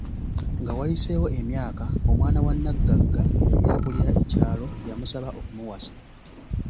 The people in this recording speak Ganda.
Nga wayiseewo emyaaka, omwana wa naggagga eyali akulira ekyalo ya musaba okumuwasa.